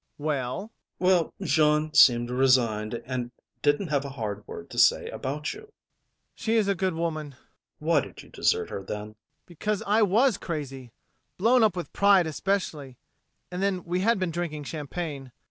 Well? ADOLPHE. Well, Jeanne seemed resigned and didn't have a hard word to say about you. MAURICE. She is a good woman. ADOLPHE. Why did you desert her then? MAURICE. Because I was crazy blown up with pride especially and then we had been drinking champagne ADOLPHE.